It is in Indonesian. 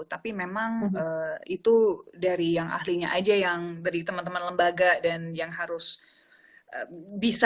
tapi memang itu dari yang ahlinya aja yang dari teman teman lembaga dan yang harus bisa